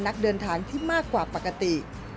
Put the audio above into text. นักเดินทางที่มากกว่าปกติ